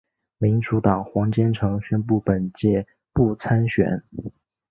民主党黄坚成宣布本届不参选。